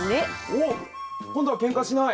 おっ今度はけんかしない。